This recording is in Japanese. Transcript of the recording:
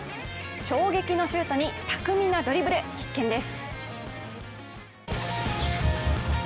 衝撃のシュートに巧みなドリブル、必見です。